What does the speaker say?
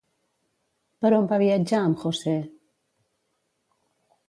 Per on va viatjar amb José?